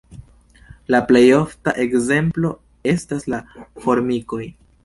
La plej ofta ekzemplo estas la formikoj.